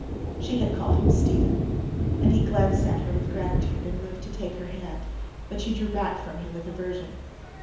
She had called him "Stiva," and he glanced at her with gratitude, and moved to take her hand, but she drew back from him with aversion.